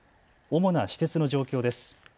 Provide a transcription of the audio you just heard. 主な私鉄の状況です。